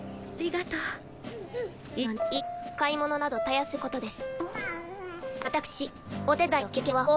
買い物などたやすいことです。